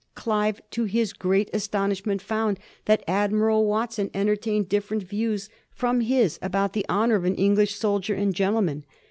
Clive, to bis great astonishment, found that Admiral Watson entertained dif ferent views from his about the honor of an English soldier and gentleman.